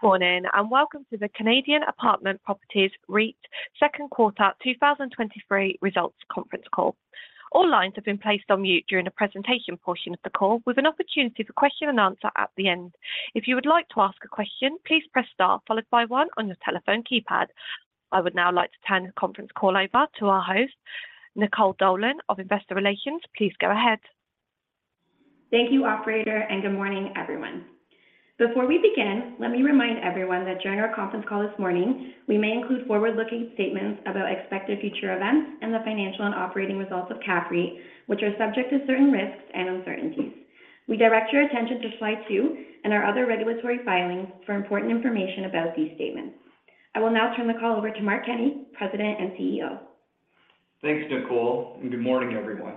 Good morning, welcome to the Canadian Apartment Properties REIT second quarter 2023 results conference call. All lines have been placed on mute during the presentation portion of the call, with an opportunity for question and answer at the end. If you would like to ask a question, please press star followed by one on your telephone keypad. I would now like to turn the conference call over to our host, Nicole Dolan of Investor Relations. Please go ahead. Thank you, operator, and good morning, everyone. Before we begin, let me remind everyone that during our conference call this morning, we may include forward-looking statements about expected future events and the financial and operating results of CAPREIT, which are subject to certain risks and uncertainties. We direct your attention to slide two and our other regulatory filings for important information about these statements. I will now turn the call over to Mark Kenney, President and CEO. Thanks, Nicole, good morning, everyone.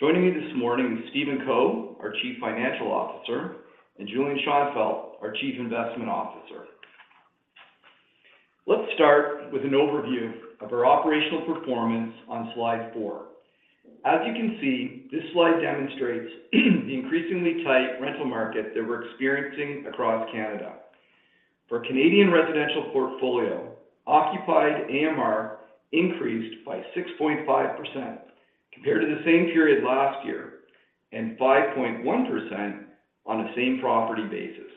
Joining me this morning is Stephen Co, our Chief Financial Officer, Julian Schonfeldt, our Chief Investment Officer. Let's start with an overview of our operational performance on slide four. As you can see, this slide demonstrates the increasingly tight rental market that we're experiencing across Canada. For Canadian residential portfolio, occupied AMR increased by 6.5% compared to the same period last year, 5.1% on a same property basis.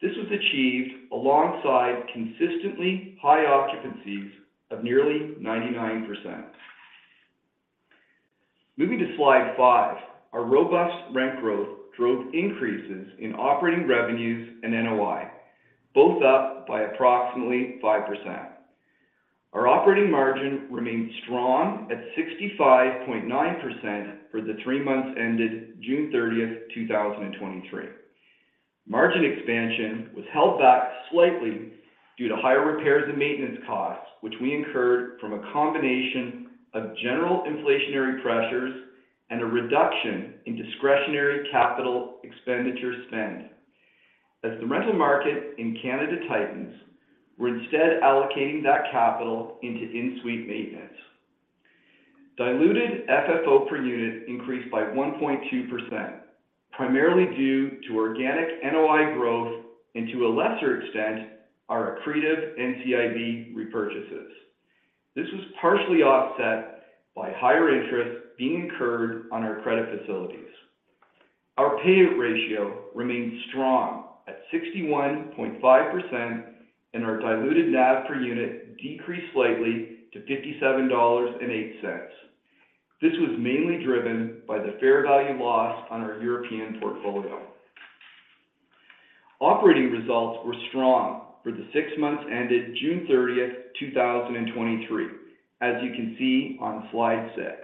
This was achieved alongside consistently high occupancies of nearly 99%. Moving to slide five, our robust rent growth drove increases in operating revenues and NOI, both up by approximately 5%. Our operating margin remained strong at 65.9% for the three months ended June 30th, 2023. Margin expansion was held back slightly due to higher repairs and maintenance costs, which we incurred from a combination of general inflationary pressures and a reduction in discretionary capital expenditure spend. As the rental market in Canada tightens, we're instead allocating that capital into in-suite maintenance. Diluted FFO per unit increased by 1.2%, primarily due to organic NOI growth and, to a lesser extent, our accretive NCIB repurchases. This was partially offset by higher interest being incurred on our credit facilities. Our payout ratio remained strong at 61.5%, and our diluted NAV per unit decreased slightly to 57.08 dollars. This was mainly driven by the fair value loss on our European portfolio. Operating results were strong for the 6 months ended June 30th, 2023, as you can see on slide six.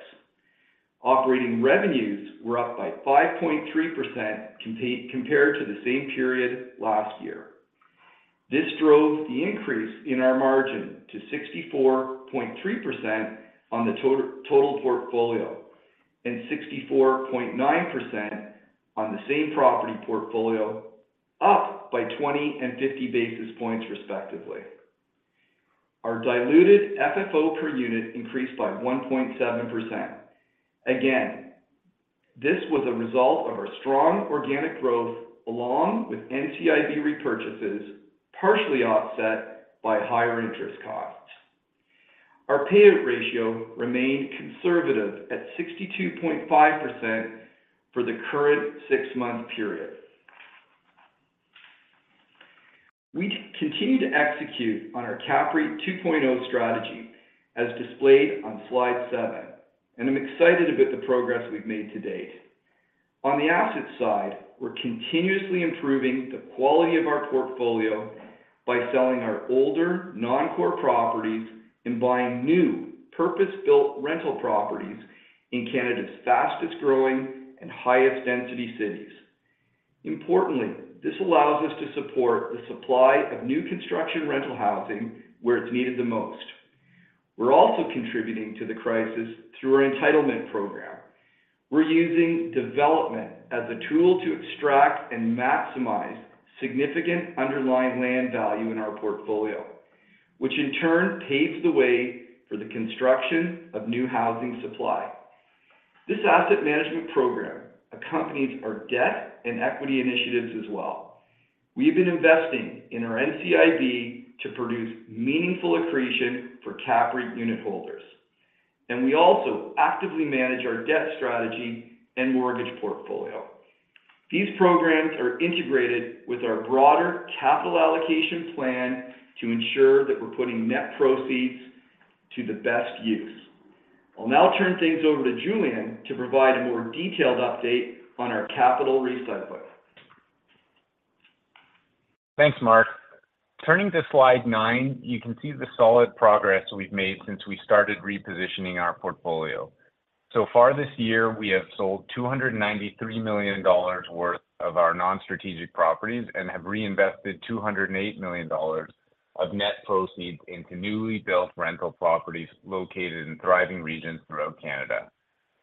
Operating revenues were up by 5.3% compared to the same period last year. This drove the increase in our margin to 64.3% on the total portfolio and 64.9% on the same property portfolio, up by 20 and 50 basis points, respectively. Our diluted FFO per unit increased by 1.7%. Again, this was a result of our strong organic growth, along with NCIB repurchases, partially offset by higher interest costs. Our payout ratio remained conservative at 62.5% for the current six-month period. We continue to execute on our CAPREIT 2.0 strategy, as displayed on slide seven, I'm excited about the progress we've made to date. On the asset side, we're continuously improving the quality of our portfolio by selling our older, non-core properties and buying new, purpose-built rental properties in Canada's fastest-growing and highest-density cities. Importantly, this allows us to support the supply of new construction rental housing where it's needed the most. We're also contributing to the crisis through our entitlement program. We're using development as a tool to extract and maximize significant underlying land value in our portfolio, which in turn paves the way for the construction of new housing supply. This asset management program accompanies our debt and equity initiatives as well. We've been investing in our NCIB to produce meaningful accretion for CAPREIT unit holders, and we also actively manage our debt strategy and mortgage portfolio. These programs are integrated with our broader capital allocation plan to ensure that we're putting net proceeds to the best use. I'll now turn things over to Julian to provide a more detailed update on our capital recycling. Thanks, Mark. Turning to slide nine, you can see the solid progress we've made since we started repositioning our portfolio. Far this year, we have sold $293 million worth of our non-strategic properties and have reinvested $208 million of net proceeds into newly built rental properties located in thriving regions throughout Canada.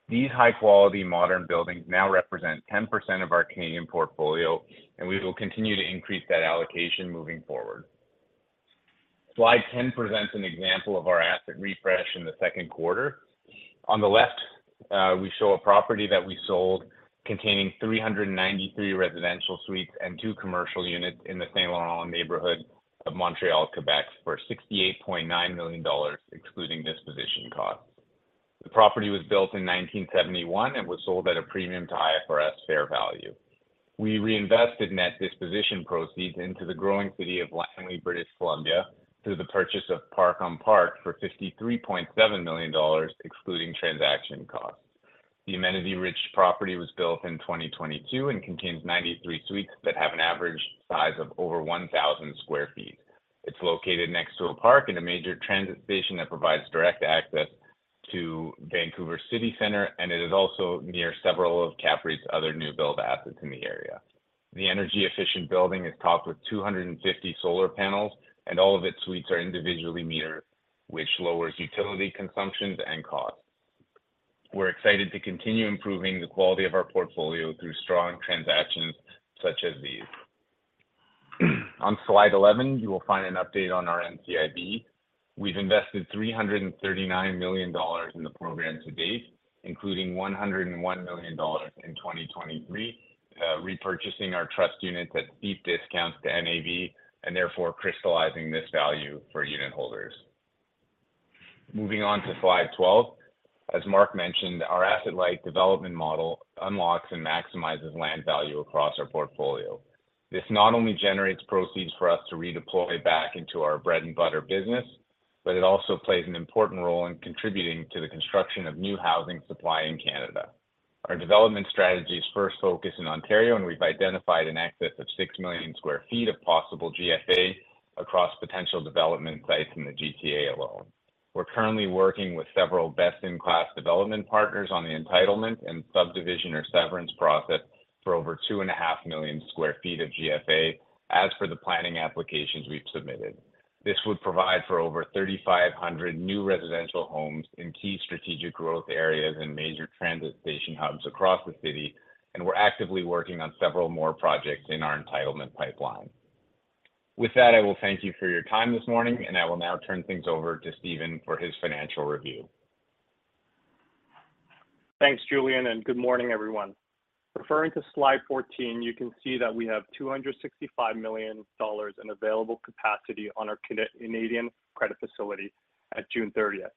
These high-quality, modern buildings now represent 10% of our Canadian portfolio, and we will continue to increase that allocation moving forward.... Slide 10 presents an example of our asset refresh in the second quarter. On the left, we show a property that we sold containing 393 residential suites and two commercial units in the Saint Laurent neighborhood of Montreal, Quebec, for $68.9 million, excluding disposition costs. The property was built in 1971 and was sold at a premium to IFRS fair value. We reinvested net disposition proceeds into the growing city of Langley, British Columbia, through the purchase of Park on Park for $53.7 million, excluding transaction costs. The amenity-rich property was built in 2022 and contains 93 suites that have an average size of over 1,000 sq ft. It's located next to a park and a major transit station that provides direct access to Vancouver City Center, and it is also near several of CAPREIT's other new build assets in the area. The energy-efficient building is topped with 250 solar panels, and all of its suites are individually metered, which lowers utility consumptions and costs. We're excited to continue improving the quality of our portfolio through strong transactions such as these. On slide 11, you will find an update on our NCIB. We've invested $339 million in the program to date, including $101 million in 2023, repurchasing our trust units at steep discounts to NAV and therefore crystallizing this value for unitholders. Moving on to slide 12, as Mark mentioned, our asset-light development model unlocks and maximizes land value across our portfolio. This not only generates proceeds for us to redeploy back into our bread-and-butter business, but it also plays an important role in contributing to the construction of new housing supply in Canada. Our development strategy is first focused in Ontario. We've identified an excess of 6 million sq ft of possible GFA across potential development sites in the GTA alone. We're currently working with several best-in-class development partners on the entitlement and subdivision or severance process for over 2.5 million square feet of GFA. As for the planning applications we've submitted, this would provide for over 3,500 new residential homes in key strategic growth areas and major transit station hubs across the city, and we're actively working on several more projects in our entitlement pipeline. With that, I will thank you for your time this morning, and I will now turn things over to Stephen for his financial review. Thanks, Julian. Good morning, everyone. Referring to slide 14, you can see that we have $265 million in available capacity on our Canadian credit facility at June 30th,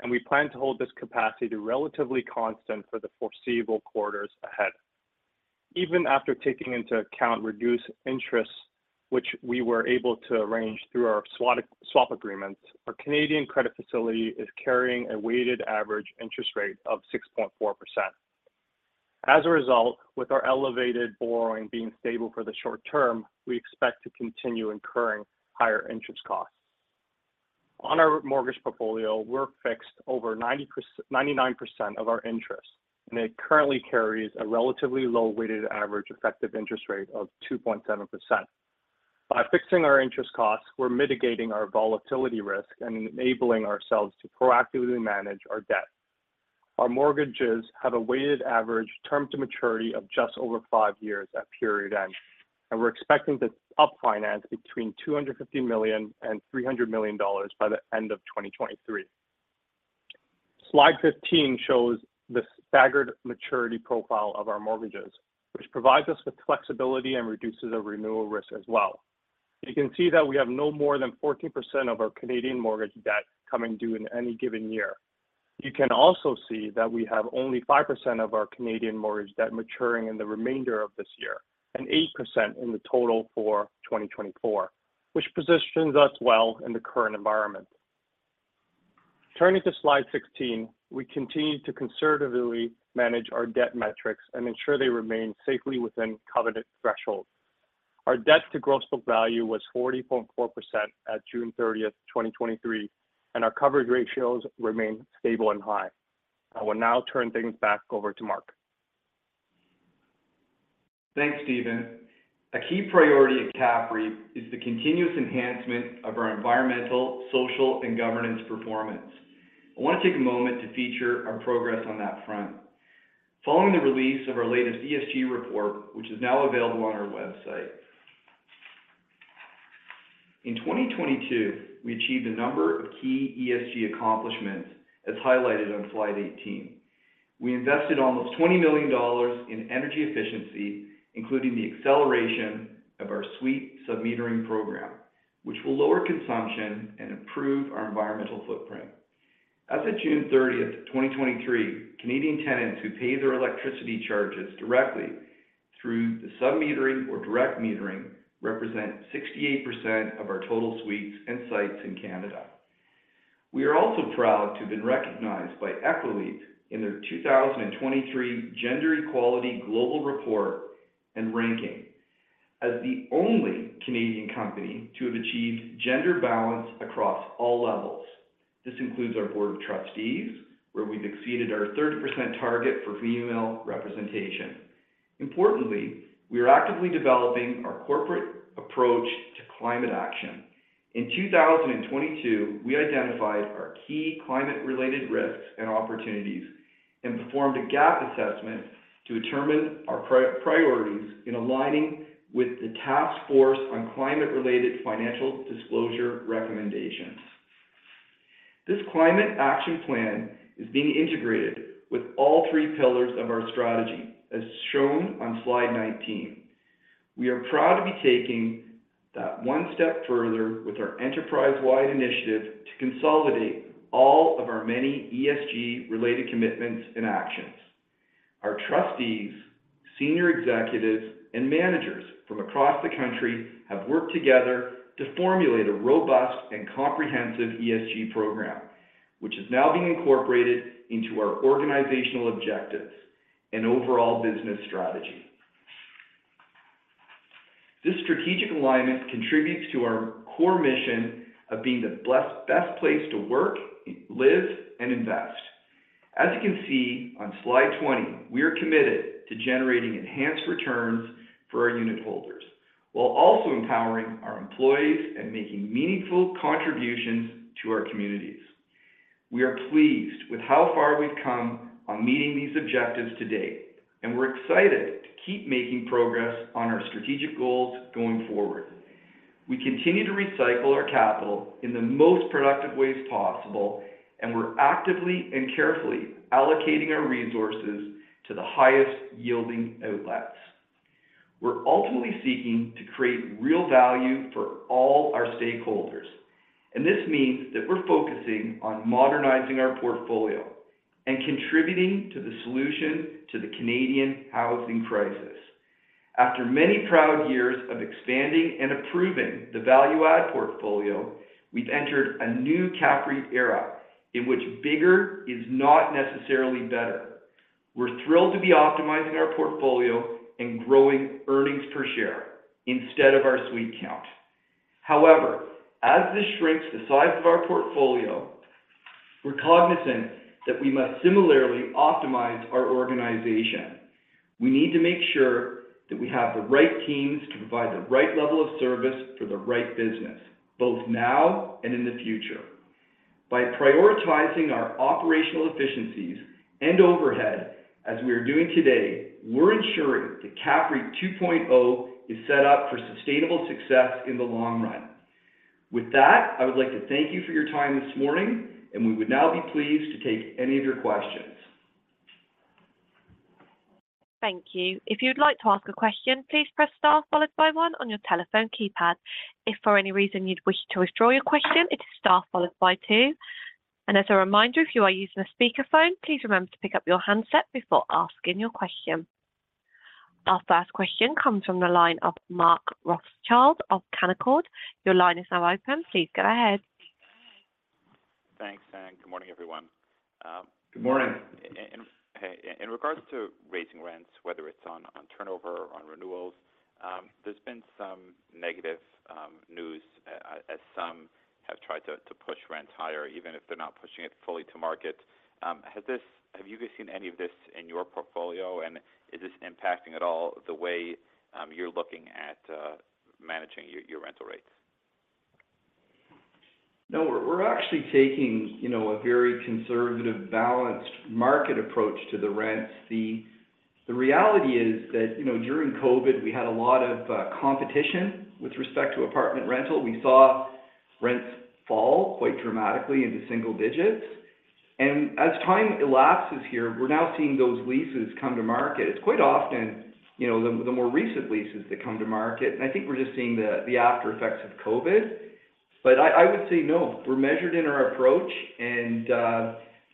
and we plan to hold this capacity relatively constant for the foreseeable quarters ahead. Even after taking into account reduced interest, which we were able to arrange through our swap agreements, our Canadian credit facility is carrying a weighted average interest rate of 6.4%. As a result, with our elevated borrowing being stable for the short term, we expect to continue incurring higher interest costs. On our mortgage portfolio, we're fixed over 99% of our interest, and it currently carries a relatively low weighted average effective interest rate of 2.7%. By fixing our interest costs, we're mitigating our volatility risk and enabling ourselves to proactively manage our debt. Our mortgages have a weighted average term to maturity of just over five years at period end, and we're expecting to up-finance between 250 million and 300 million dollars by the end of 2023. Slide 15 shows the staggered maturity profile of our mortgages, which provides us with flexibility and reduces the renewal risk as well. You can see that we have no more than 14% of our Canadian mortgage debt coming due in any given year. You can also see that we have only 5% of our Canadian mortgage debt maturing in the remainder of this year and 8% in the total for 2024, which positions us well in the current environment. Turning to slide 16, we continue to conservatively manage our debt metrics and ensure they remain safely within covenant thresholds. Our debt-to-gross book value was 40.4% at June 30th, 2023, and our coverage ratios remain stable and high. I will now turn things back over to Mark. Thanks, Stephen. A key priority at CAPREIT is the continuous enhancement of our environmental, social, and governance performance. I want to take a moment to feature our progress on that front. Following the release of our latest ESG report, which is now available on our website, in 2022, we achieved a number of key ESG accomplishments, as highlighted on slide 18. We invested almost $20 million in energy efficiency, including the acceleration of our suite sub-metering program, which will lower consumption and improve our environmental footprint. As of June 30th, 2023, Canadian tenants who pay their electricity charges directly through the sub-metering or direct metering represent 68% of our total suites and sites in Canada. We are also proud to have been recognized by Equileap in their 2023 Gender Equality Global Report and Ranking as the only Canadian company to have achieved gender balance across all levels. This includes our board of trustees, where we've exceeded our 30% target for female representation. Importantly, we are actively developing our corporate approach to climate action. In 2022, we identified our key climate-related risks and opportunities and performed a gap assessment to determine our priorities in aligning with the Task Force on Climate-related Financial Disclosures recommendations. This climate action plan is being integrated with all three pillars of our strategy, as shown on slide 19. We are proud to be taking that one step further with our enterprise-wide initiative to consolidate all of our many ESG-related commitments and actions. Our trustees, senior executives, and managers from across the country have worked together to formulate a robust and comprehensive ESG program, which is now being incorporated into our organizational objectives and overall business strategy. This strategic alignment contributes to our core mission of being the best, best place to work, live, and invest. As you can see on Slide 20, we are committed to generating enhanced returns for our unitholders, while also empowering our employees and making meaningful contributions to our communities. We are pleased with how far we've come on meeting these objectives to date. We're excited to keep making progress on our strategic goals going forward. We continue to recycle our capital in the most productive ways possible. We're actively and carefully allocating our resources to the highest-yielding outlets. We're ultimately seeking to create real value for all our stakeholders, and this means that we're focusing on modernizing our portfolio and contributing to the solution to the Canadian housing crisis. After many proud years of expanding and improving the value-add portfolio, we've entered a new CAPREIT era in which bigger is not necessarily better. We're thrilled to be optimizing our portfolio and growing earnings per share instead of our suite count. However, as this shrinks the size of our portfolio, we're cognizant that we must similarly optimize our organization. We need to make sure that we have the right teams to provide the right level of service for the right business, both now and in the future. By prioritizing our operational efficiencies and overhead as we are doing today, we're ensuring that CAPREIT 2.0 is set up for sustainable success in the long run. With that, I would like to thank you for your time this morning, and we would now be pleased to take any of your questions. Thank you. If you'd like to ask a question, please press star followed by one on your telephone keypad. If for any reason you'd wish to withdraw your question, it is star followed by two. As a reminder, if you are using a speakerphone, please remember to pick up your handset before asking your question. Our first question comes from the line of Mark Rothschild of Canaccord. Your line is now open. Please go ahead. Thanks, good morning, everyone. Good morning. In, in, hey, in regards to raising rents, whether it's on, on turnover, on renewals, there's been some negative news a-as some have tried to, to push rents higher, even if they're not pushing it fully to market. Has this... Have you guys seen any of this in your portfolio, and is this impacting at all the way you're looking at managing your, your rental rates? No, we're, we're actually taking, you know, a very conservative, balanced market approach to the rents. The, the reality is that, you know, during COVID, we had a lot of competition with respect to apartment rental. We saw rents fall quite dramatically into single digits, and as time elapses here, we're now seeing those leases come to market. It's quite often, you know, the, the more recent leases that come to market, and I think we're just seeing the, the after effects of COVID. I, I would say, no, we're measured in our approach and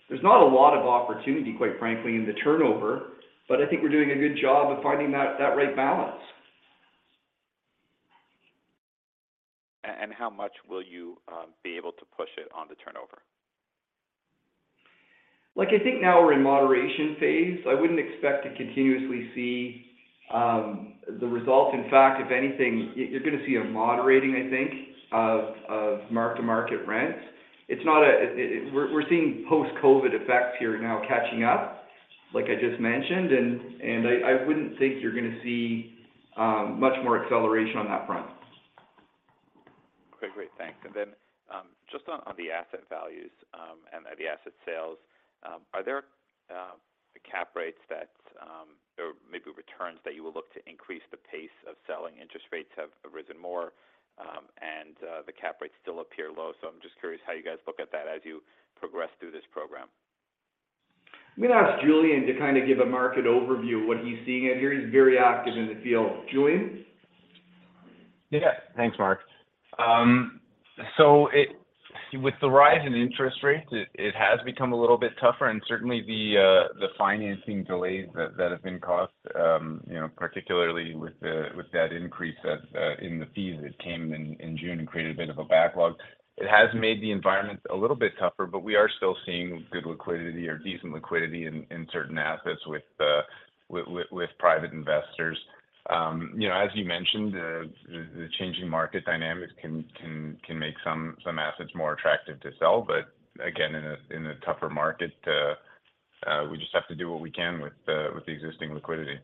there's not a lot of opportunity, quite frankly, in the turnover, but I think we're doing a good job of finding that, that right balance. How much will you be able to push it on the turnover? Like, I think now we're in moderation phase. I wouldn't expect to continuously see the results. In fact, if anything, you're going to see a moderating, I think, of, of mark-to-market rents. It's not a, we're seeing post-COVID effects here now catching up, like I just mentioned, and I wouldn't think you're going to see much more acceleration on that front. Okay, great. Thanks. Just on the asset values and the asset sales, are there the cap rates or maybe returns that you will look to increase the pace of selling? Interest rates have risen more, and the cap rates still appear low. So I'm just curious how you guys look at that as you progress through this program. I'm going to ask Julian to kind of give a market overview, what he's seeing, and he's very active in the field. Julian? Yeah. Thanks, Mark. With the rise in interest rates, it, it has become a little bit tougher, certainly the financing delays that, that have been caused, you know, particularly with the, with that increase of in the fees that came in, in June and created a bit of a backlog. It has made the environment a little bit tougher, we are still seeing good liquidity or decent liquidity in, in certain assets with, with, with private investors. You know, as you mentioned, the, the, the changing market dynamics can, can, can make some, some assets more attractive to sell, again, in a, in a tougher market, we just have to do what we can with the, with the existing liquidity.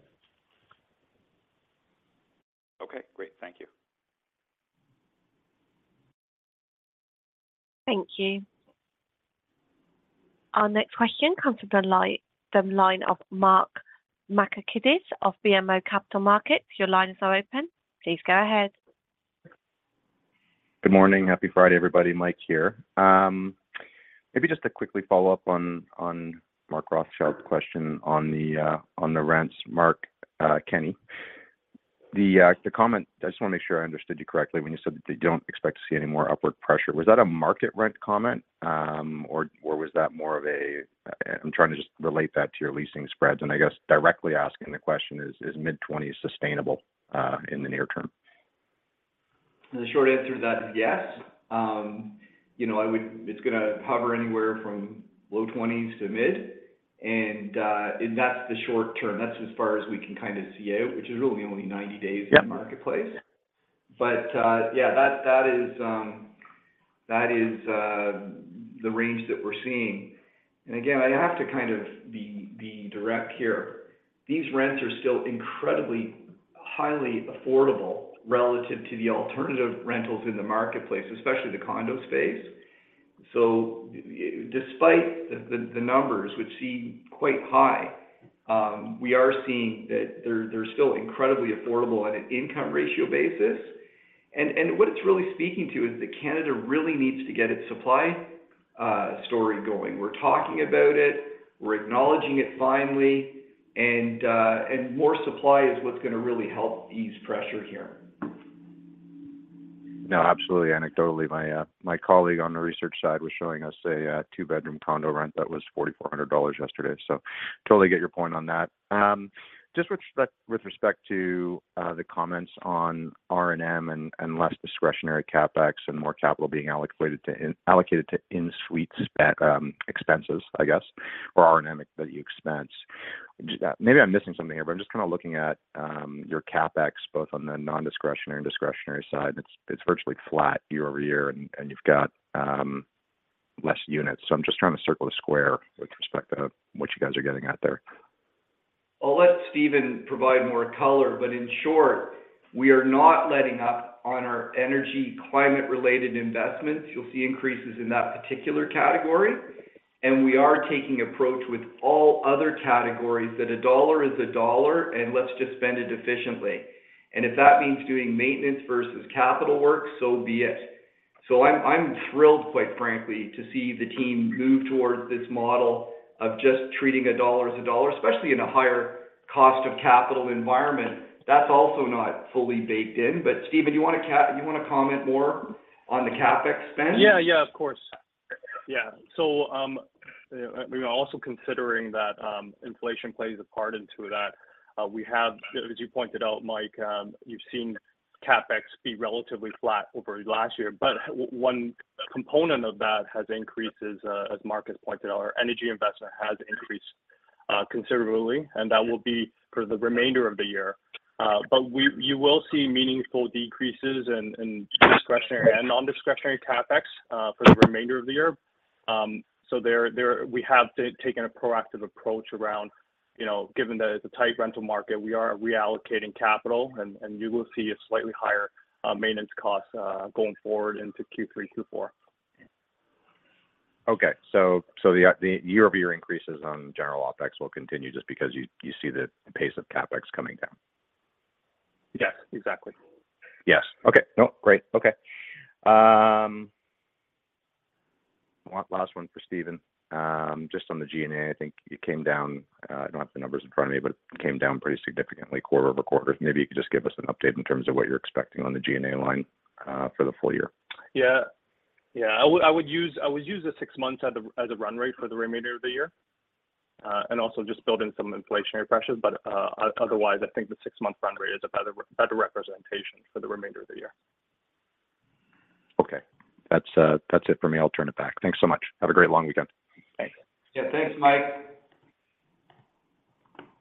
Okay, great. Thank you. Thank you. Our next question comes from the line of Mike Markidis of BMO Capital Markets. Your lines are open. Please go ahead. Good morning. Happy Friday, everybody. Mike here. Maybe just to quickly follow up on, on Mark Rothschild's question on the, on the rents, Mark Kenney. The comment, I just want to make sure I understood you correctly when you said that you don't expect to see any more upward pressure. Was that a market rent comment, or was that more of I'm trying to just relate that to your leasing spreads. I guess, directly asking the question is: is mid-twenties sustainable, in the near term? The short answer to that is yes. you know, it's gonna hover anywhere from low 20s to mid, and that's the short term. That's as far as we can kind of see out, which is really only 90 days... Yeah in the marketplace. Yeah, that, that is, that is, the range that we're seeing. Again, I have to kind of be, be direct here. These rents are still incredibly, highly affordable relative to the alternative rentals in the marketplace, especially the condo space. Despite the numbers, which seem quite high, we are seeing that they're, they're still incredibly affordable on an income ratio basis. What it's really speaking to is that Canada really needs to get its supply story going. We're talking about it, we're acknowledging it finally, and more supply is what's going to really help ease pressure here. No, absolutely. Anecdotally, my, my colleague on the research side was showing us a, two-bedroom condo rent that was 4,400 dollars yesterday. Totally get your point on that. Just with respect, with respect to, the comments on R&M and, and less discretionary CapEx and more capital being allocated to in- allocated to in-suite spe- expenses, I guess, or R&M that you expense. Maybe I'm missing something here, but I'm just kind of looking at, your CapEx, both on the non-discretionary and discretionary side. It's, it's virtually flat year-over-year, and, and you've got, less units. So I'm just trying to circle the square with respect to what you guys are getting at there. I'll let Stephen provide more color, but in short, we are not letting up on our energy climate-related investments. You'll see increases in that particular category. We are taking approach with all other categories, that a dollar is a dollar, and let's just spend it efficiently. If that means doing maintenance versus capital work, so be it. I'm, I'm thrilled, quite frankly, to see the team move towards this model of just treating a dollar as a dollar, especially in a higher cost of capital environment. That's also not fully baked in. Stephen, you want to you want to comment more on the CapEx spend? Yeah, yeah, of course. Yeah. We are also considering that inflation plays a part into that. We have, as you pointed out, Mike, you've seen CapEx be relatively flat over last year, but one component of that has increased is, as Mark has pointed out, our energy investment has increased considerably, and that will be for the remainder of the year. You will see meaningful decreases in, in discretionary and non-discretionary CapEx for the remainder of the year. There, there, we have taken a proactive approach around, you know, given that it's a tight rental market, we are reallocating capital, and, and you will see a slightly higher maintenance cost going forward into Q3, Q4. Okay. So the, the year-over-year increases on general OpEx will continue just because you, you see the pace of CapEx coming down? Yes, exactly. Yes. Okay. No, great. Okay. One last one for Stephen Co. Just on the G&A, I think it came down, I don't have the numbers in front of me, but it came down pretty significantly quarter-over-quarter. Maybe you could just give us an update in terms of what you're expecting on the G&A line for the full year? Yeah. Yeah, I would, I would use, I would use the six months as a, as a run rate for the remainder of the year, and also just build in some inflationary pressures. Otherwise, I think the six-month run rate is a better, better representation for the remainder of the year. Okay. That's, that's it for me. I'll turn it back. Thanks so much. Have a great long weekend. Thanks. Yeah. Thanks, Mike.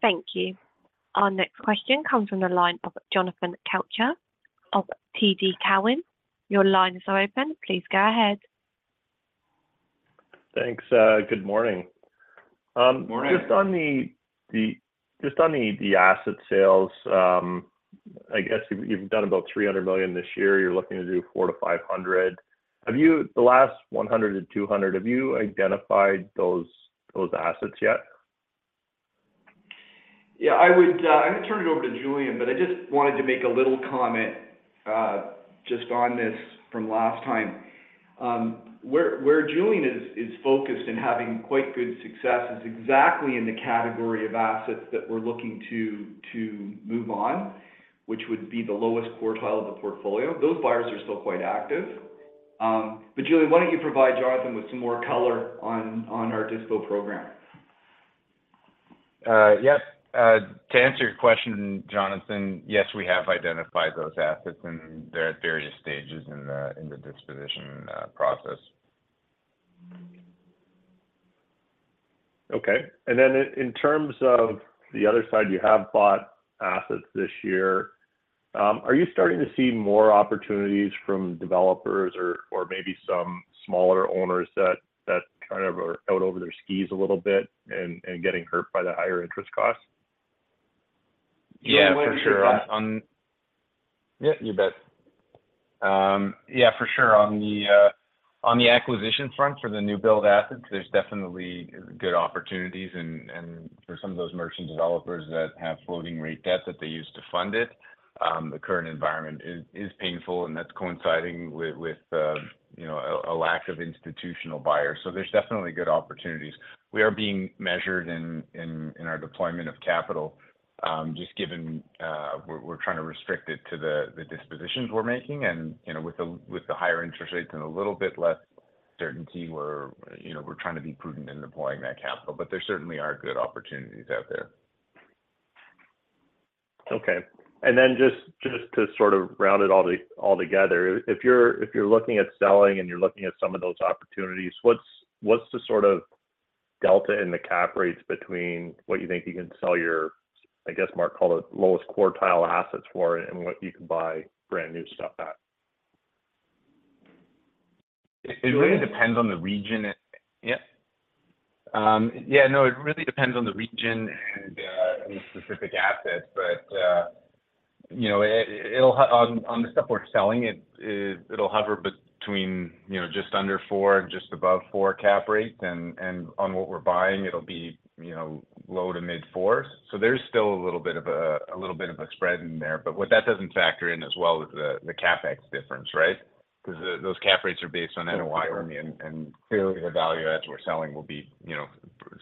Thank you. Our next question comes from the line of Jonathan Kelcher of TD Cowen. Your line is now open. Please go ahead. Thanks. Good morning. Morning. Just on the, just on the, the asset sales, I guess you've, you've done about 300 million this year. You're looking to do 400 million-500 million. Have you the last 100 million-200 million, have you identified those, those assets yet? Yeah, I would, I would turn it over to Julian, but I just wanted to make a little comment, just on this from last time. Where Julian is focused in having quite good success is exactly in the category of assets that we're looking to, to move on, which would be the lowest quartile of the portfolio. Those buyers are still quite active. Julian, why don't you provide Jonathan with some more color on our disco program? Yes. To answer your question, Jonathan, yes, we have identified those assets, and they're at various stages in the, in the disposition, process. Okay. In terms of the other side, you have bought assets this year. Are you starting to see more opportunities from developers or, or maybe some smaller owners that, that kind of are out over their skis a little bit and, and getting hurt by the higher interest costs? Yeah, for sure. On, on- yeah, you bet. Yeah, for sure. On the, on the acquisition front for the new build assets, there's definitely good opportunities and, and for some of those merchant developers that have floating rate debt that they use to fund it, the current environment is, is painful, and that's coinciding with, with, you know, a, a lack of institutional buyers. There's definitely good opportunities. We are being measured in, in, in our deployment of capital, just given, we're, we're trying to restrict it to the, the dispositions we're making. You know, with the, with the higher interest rates and a little bit less certainty, we're, you know, we're trying to be prudent in deploying that capital. There certainly are good opportunities out there. Okay. Then just, just to sort of round it all together, if you're, if you're looking at selling and you're looking at some of those opportunities, what's, what's the sort of delta in the cap rates between what you think you can sell your, I guess, Mark called it, lowest quartile assets for it and what you can buy brand-new stuff at? It really depends on the region. Yeah. Yeah, no, it really depends on the region and any specific assets. You know, it, it'll on, on the stuff we're selling, it, it, it'll hover between, you know, just under 4 and just above 4 cap rates, and, and on what we're buying, it'll be, you know, low to mid-fours. There's still a little bit of a, a little bit of a spread in there. What that doesn't factor in as well is the, the CapEx difference, right? Because those cap rates are based on NOI, and, and clearly the value adds we're selling will be, you know,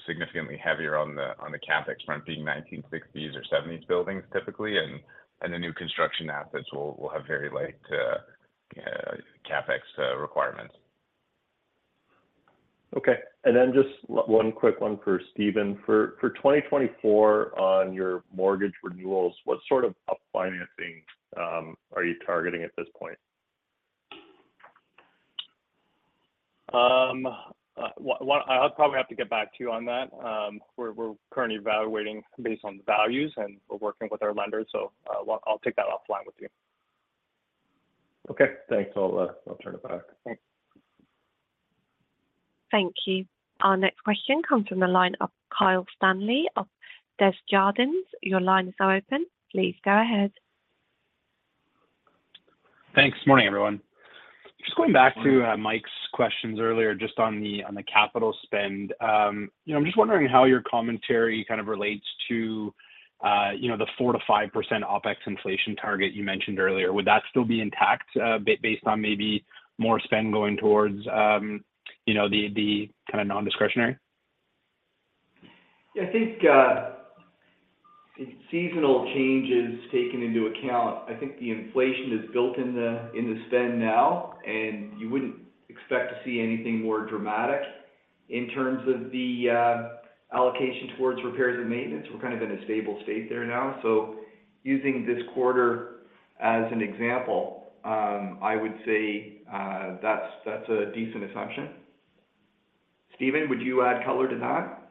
significantly heavier on the, on the CapEx front, being 1960s or 1970s buildings typically, and, and the new construction assets will, will have very light CapEx requirements. Okay. Then just one quick one for Stephen. For 2024 on your mortgage renewals, what sort of up financing are you targeting at this point? Well, I'll probably have to get back to you on that. We're, we're currently evaluating based on the values, and we're working with our lenders. I'll, I'll take that offline with you. Okay, thanks. I'll, I'll turn it back. Thanks. Thank you. Our next question comes from the line of Kyle Stanley of Desjardins. Your line is now open. Please go ahead. Thanks. Morning, everyone. Just going back to, Good morning. Mike's questions earlier, just on the capital spend. You know, I'm just wondering how your commentary kind of relates to, you know, the 4%-5% OpEx inflation target you mentioned earlier? Would that still be intact, based on maybe more spend going towards, you know, the kind of nondiscretionary? Yeah, I think, seasonal changes taken into account, I think the inflation is built in the, in the spend now, and you wouldn't expect to see anything more dramatic. In terms of the, allocation towards repairs and maintenance, we're kind of in a stable state there now. Using this quarter as an example, I would say, that's, that's a decent assumption. Stephen, would you add color to that?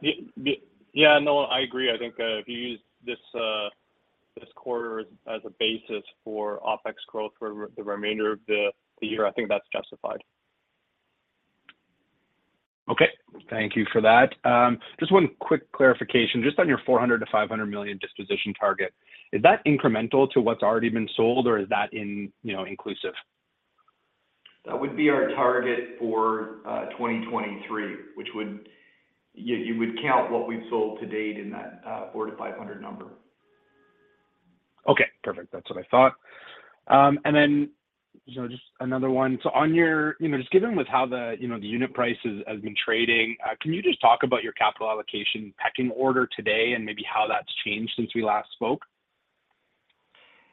Yeah, no, I agree. I think, if you use this quarter as, as a basis for OpEx growth for the remainder of the year, I think that's justified. Okay. Thank you for that. Just one quick clarification, just on your 400 million-500 million disposition target, is that incremental to what's already been sold, or is that in, you know, inclusive? That would be our target for 2023. Yeah, you would count what we've sold to date in that 400-500 number. Okay, perfect. That's what I thought. You know, just another one. On your-- you know, just given with how the, you know, the unit price has, has been trading, can you just talk about your capital allocation pecking order today and maybe how that's changed since we last spoke?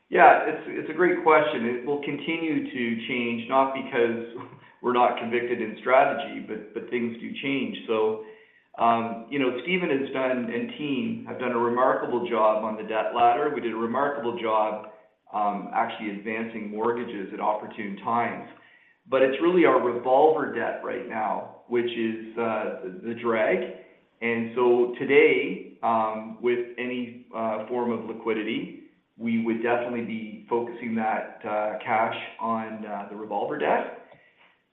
Yeah, it's, it's a great question, and it will continue to change, not because we're not convicted in strategy, but, but things do change. You know, Stephen has done, and team, have done a remarkable job on the debt ladder. We did a remarkable job, actually advancing mortgages at opportune times. It's really our revolver debt right now, which is the drag. Today, with any form of liquidity, we would definitely be focusing that cash on the revolver debt.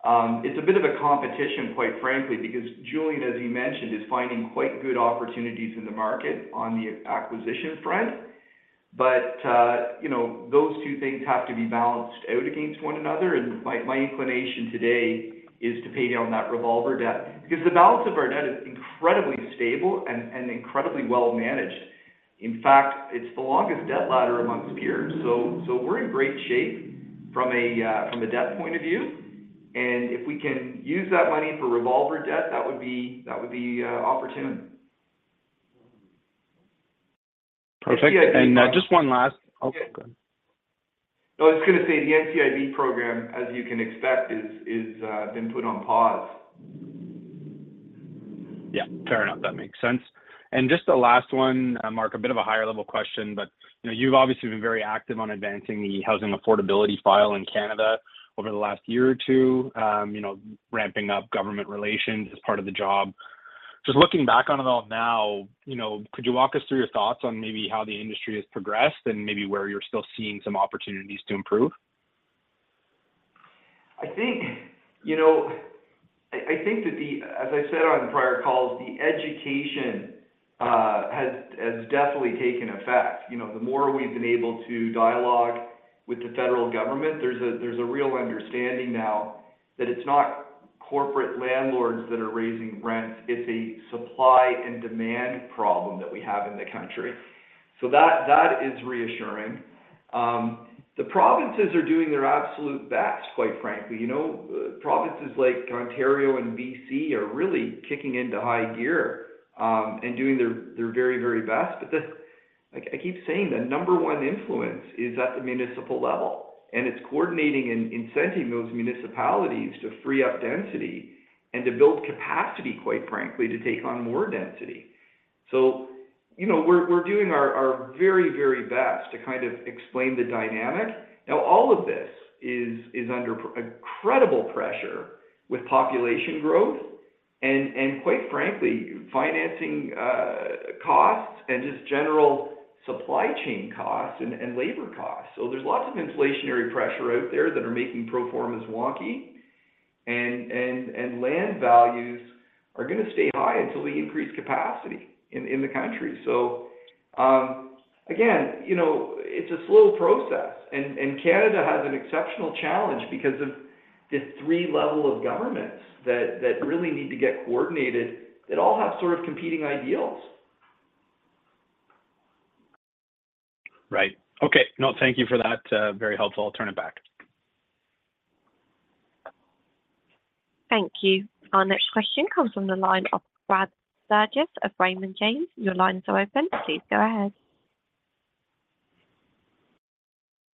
It's a bit of a competition, quite frankly, because Julian, as he mentioned, is finding quite good opportunities in the market on the acquisition front. You know, those two things have to be balanced out against one another. My, my inclination today is to pay down that revolver debt, because the balance of our debt is incredibly stable and, and incredibly well managed. In fact, it's the longest debt ladder amongst peers, so, so we're in great shape from a debt point of view. If we can use that money for revolver debt, that would be, that would be opportune. Perfect. Yeah, and. Just one last... Okay, go on. No, I was going to say the NCIB program, as you can expect, is, is, been put on pause. Yeah, fair enough. That makes sense. Just the last one, Mark, a bit of a higher level question, but, you know, you've obviously been very active on advancing the housing affordability file in Canada over the last year or two, you know, ramping up government relations as part of the job. Just looking back on it all now, you know, could you walk us through your thoughts on maybe how the industry has progressed and maybe where you're still seeing some opportunities to improve? I think, you know, I, I think that the, as I said on prior calls, the education, has, has definitely taken effect. You know, the more we've been able to dialogue with the federal government, there's a, there's a real understanding now that it's not corporate landlords that are raising rents, it's a supply and demand problem that we have in the country. That, that is reassuring. The provinces are doing their absolute best, quite frankly. You know, provinces like Ontario and BC are really kicking into high gear, and doing their, their very, very best. Like, I keep saying, the number one influence is at the municipal level, and it's coordinating and incenting those municipalities to free up density and to build capacity, quite frankly, to take on more density. You know, we're, we're doing our, our very, very best to kind of explain the dynamic. All of this is, is under incredible pressure with population growth and, and quite frankly, financing costs and just general supply chain costs and, and labor costs. There's lots of inflationary pressure out there that are making pro formas wonky, and, and, and land values are going to stay high until we increase capacity in, in the country. Again, you know, it's a slow process, and, and Canada has an exceptional challenge because of the three level of governments that, that really need to get coordinated, that all have sort of competing ideals. Right. Okay. No, thank you for that, very helpful. I'll turn it back. Thank you. Our next question comes from the line of Brad Sturges of Raymond James. Your line is open, please go ahead.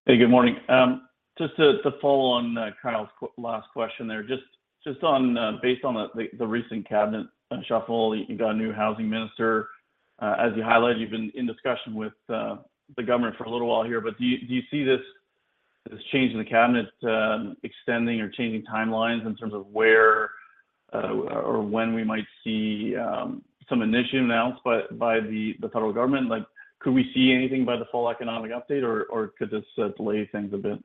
Hey, good morning. Just to follow on Kyle's last question there. Just on based on the recent cabinet shuffle, you got a new housing minister. As you highlighted, you've been in discussion with the government for a little while here. Do you see this change in the cabinet extending or changing timelines in terms of where or when we might see some initiative announced by the federal government? Like, could we see anything by the full economic update or could this delay things a bit?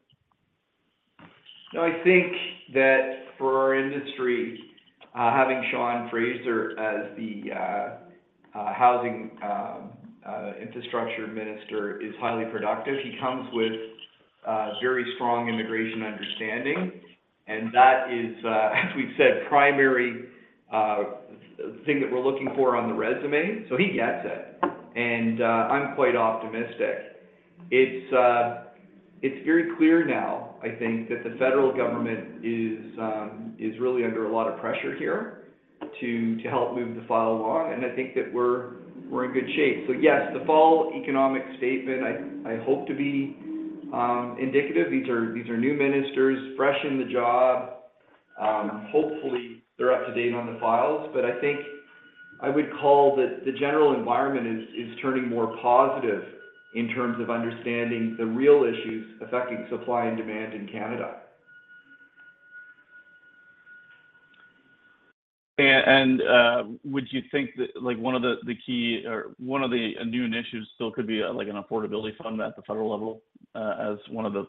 I think that for our industry, having Sean Fraser as the Housing Infrastructure Minister is highly productive. He comes with very strong immigration understanding, and that is, as we've said, primary thing that we're looking for on the resume. He gets it, and I'm quite optimistic. It's very clear now, I think, that the federal government is really under a lot of pressure here to, to help move the file along, and I think that we're, we're in good shape. Yes, the fall economic statement, I, I hope to be indicative. These are, these are new ministers, fresh in the job. Hopefully, they're up to date on the files, but I think I would call that the general environment is, is turning more positive in terms of understanding the real issues affecting supply and demand in Canada. Would you think that, like, one of the, the key or one of the new initiatives still could be, like an affordability fund at the federal level, as one of the,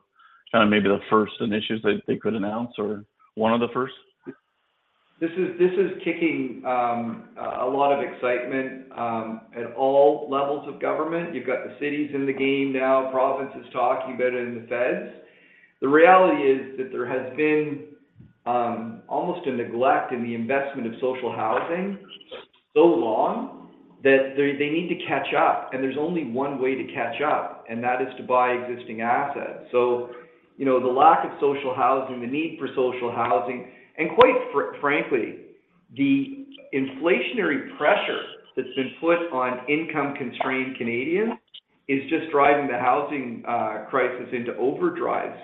kind of maybe the first initiatives that they could announce or one of the first? This is, this is kicking, a lot of excitement, at all levels of government. You've got the cities in the game now, provinces talking about it, and the feds. The reality is that there has been, almost a neglect in the investment of social housing so long that they, they need to catch up, and there's only one way to catch up, and that is to buy existing assets. You know, the lack of social housing, the need for social housing, and quite frankly, the inflationary pressure that's been put on income-constrained Canadians is just driving the housing crisis into overdrive.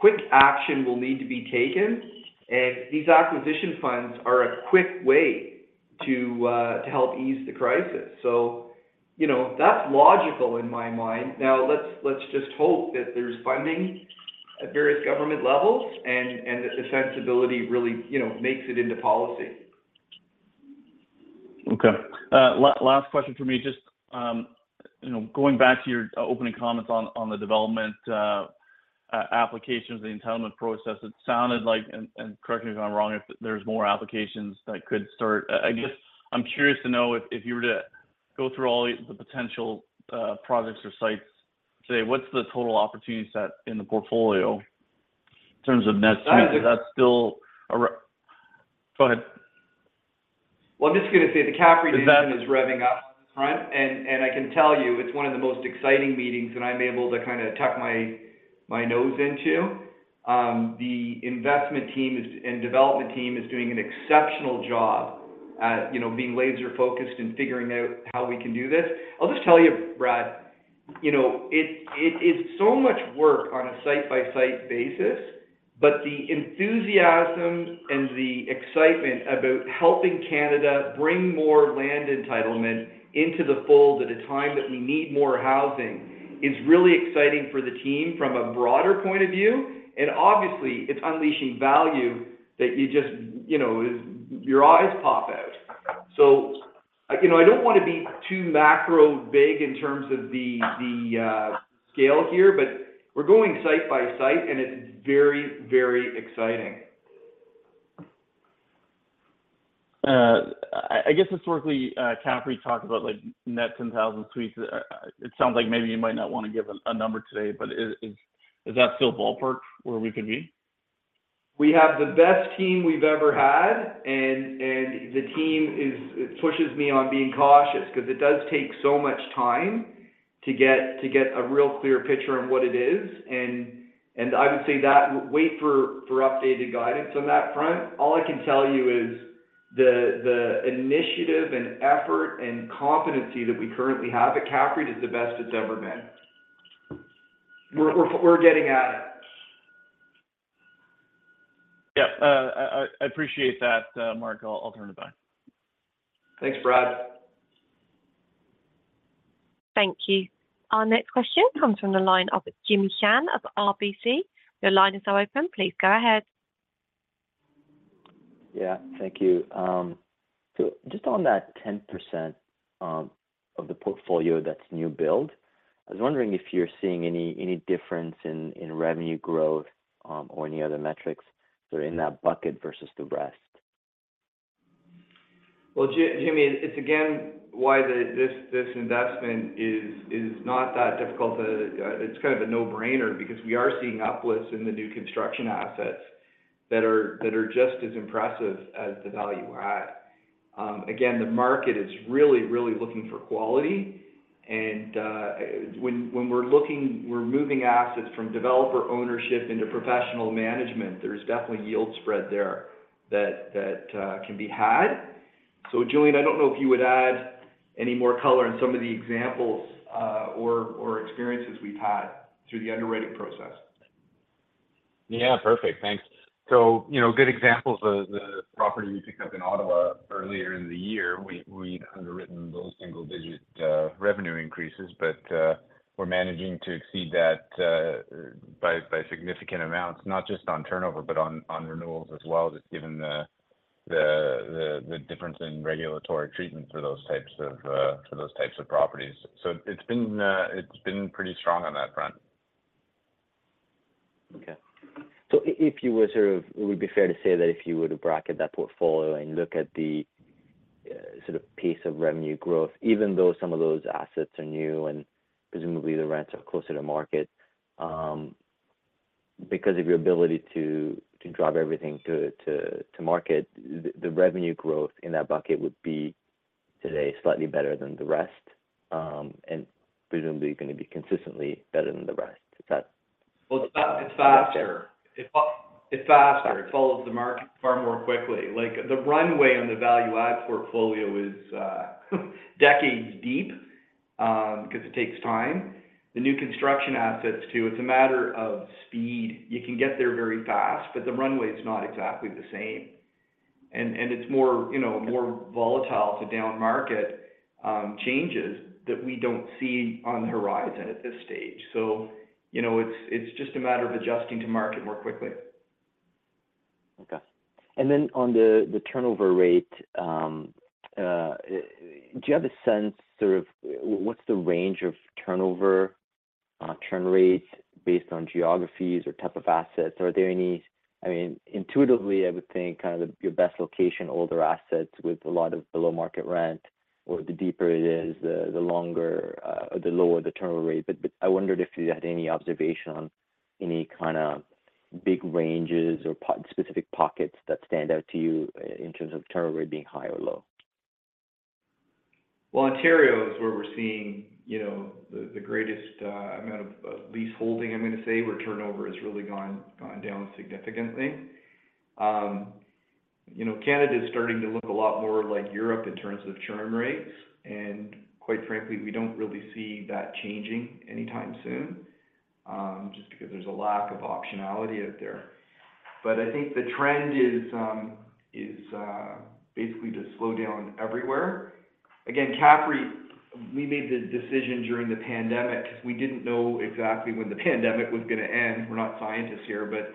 Quick action will need to be taken, and these acquisition funds are a quick way to help ease the crisis. You know, that's logical in my mind. Let's, let's just hope that there's funding at various government levels and, and that the sensibility really, you know, makes it into policy. Okay. last question for me, just, you know, going back to your opening comments on, on the development applications, the entitlement process, it sounded like, and, and correct me if I'm wrong, if there's more applications that could start... I guess I'm curious to know if, if you were to go through all the, the potential projects or sites, say, what's the total opportunity set in the portfolio in terms of net? Is that still a go ahead? Well, I'm just going to say the CAPREIT team is revving up front, and I can tell you it's one of the most exciting meetings that I'm able to kind of tuck my, my nose into. The investment team and development team is doing an exceptional job at, you know, being laser-focused and figuring out how we can do this. I'll just tell you, Brad, you know, it is so much work on a site-by-site basis, but the enthusiasm and the excitement about helping Canada bring more land entitlement into the fold at a time that we need more housing is really exciting for the team from a broader point of view. Obviously, it's unleashing value that you just, you know, your eyes pop out. like, you know, I don't want to be too macro big in terms of the, the, scale here, but we're going site by site, and it's very, very exciting. I, I guess historically, CAPREIT talked about, like, net 10,000 suites. It sounds like maybe you might not want to give a number today, but is, is, is that still ballpark where we could be? We have the best team we've ever had, and the team is. It pushes me on being cautious, 'cause it does take so much time to get a real clear picture on what it is. I would say that wait for updated guidance on that front. All I can tell you is the initiative and effort and competency that we currently have at CAPREIT is the best it's ever been. We're getting at it. Yep. I, I appreciate that, Mark. I'll, I'll turn it back. Thanks, Brad. Thank you. Our next question comes from the line of Jimmy Shan of RBC. Your line is now open. Please go ahead. Yeah, thank you. Just on that 10% of the portfolio that's new build, I was wondering if you're seeing any, any difference in, in revenue growth, or any other metrics sort of in that bucket versus the rest? Well, Jimmy, it's again, why this, this investment is, is not that difficult to... It's kind of a no-brainer because we are seeing uplifts in the new construction assets that are, that are just as impressive as the value add. Again, the market is really, really looking for quality, and when, when we're looking, we're moving assets from developer ownership into professional management, there's definitely yield spread there that, that can be had. Julian, I don't know if you would add any more color on some of the examples, or, or experiences we've had through the underwriting process. Yeah, perfect. Thanks. You know, good examples of the property we picked up in Ottawa earlier in the year, we, we'd underwritten low single digit, revenue increases, but, we're managing to exceed that, by, by significant amounts, not just on turnover, but on, on renewals as well. Just given the, the, the, the difference in regulatory treatment for those types of, for those types of properties. It's been, it's been pretty strong on that front. If you were sort of-- it would be fair to say that if you were to bracket that portfolio and look at the sort of pace of revenue growth, even though some of those assets are new and presumably the rents are closer to market, because of your ability to drive everything to market, the revenue growth in that bucket would be today slightly better than the rest, and presumably going to be consistently better than the rest. Is that? Well, it's faster. It's faster. It follows the market far more quickly. Like, the runway on the value add portfolio is decades deep because it takes time. The new construction assets, too, it's a matter of speed. You can get there very fast, but the runway is not exactly the same. It's more, you know, more volatile to down market changes that we don't see on the horizon at this stage. You know, it's, it's just a matter of adjusting to market more quickly. Okay. On the, the turnover rate, do you have a sense, sort of, what's the range of turnover, churn rates based on geographies or type of assets? Are there any-- I mean, intuitively, I would think kinda your best location, older assets with a lot of below-market rent or the deeper it is, the, the longer, or the lower the turnover rate. But I wondered if you had any observation on any kinda big ranges or specific pockets that stand out to you in terms of turnover rate being high or low? Well, Ontario is where we're seeing, you know, the, the greatest amount of, of lease holding, I'm going to say, where turnover has really gone, gone down significantly. You know, Canada is starting to look a lot more like Europe in terms of churn rates, and quite frankly, we don't really see that changing anytime soon, just because there's a lack of optionality out there. I think the trend is basically to slow down everywhere. Again, CAPREIT, we made the decision during the pandemic, because we didn't know exactly when the pandemic was going to end. We're not scientists here, but